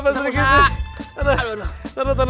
ustaz bisa jahatnya sih ustaz